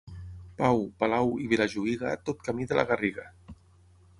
Pau, Palau i Vilajuïga, tot camí de la Garriga.